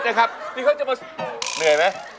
เหนื่อยไหมเหนื่อยเด้น